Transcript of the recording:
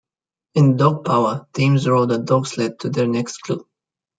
In Dog Power, teams rode a dog sled to their next clue.